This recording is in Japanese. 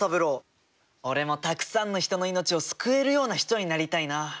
俺もたっくさんの人の命を救えるような人になりたいな。